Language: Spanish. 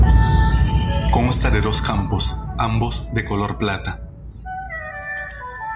Consta de dos campos, ambos de color plata.